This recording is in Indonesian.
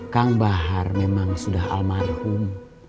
kang bahar memang sudah almarhum